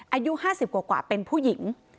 อายุ๕๐กว่าเป็นผู้หญิง